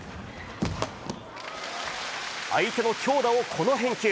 相手の強打をこの返球。